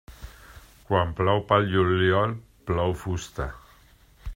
Quan plou pel juliol plou fusta.